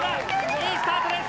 良いスタートです！